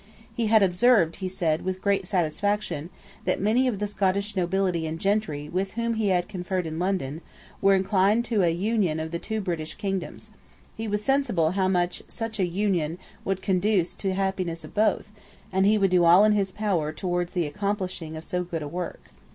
He had observed, he said, with great satisfaction that many of the Scottish nobility and gentry with whom he had conferred in London were inclined to an union of the two British kingdoms. He was sensible how much such an union would conduce to the happiness of both; and he would do all in his power towards the accomplishing of so good a work.